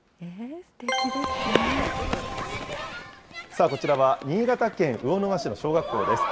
さあ、こちらは新潟県魚沼市の小学校です。